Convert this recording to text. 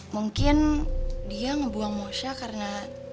mungkin dia ngebuang mosha karena